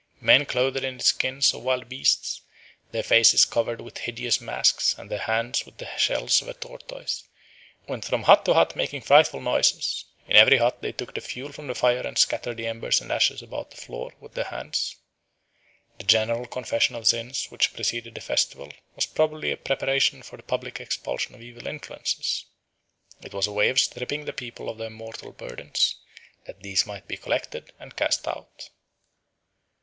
Men clothed in the skins of wild beasts, their faces covered with hideous masks, and their hands with the shell of the tortoise, went from hut to hut making frightful noises; in every hut they took the fuel from the fire and scattered the embers and ashes about the floor with their hands. The general confession of sins which preceded the festival was probably a preparation for the public expulsion of evil influences; it was a way of stripping the people of their moral burdens, that these might be collected and cast out.